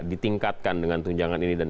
ditingkatkan dengan tunjangan ini